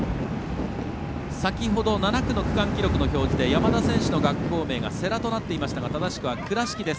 先ほど７区の区間記録の表示で山田選手の学校名が世羅となっていましたが正しくは倉敷です。